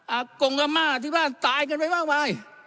อากงมาที่บ้านตายกันไปมากมาย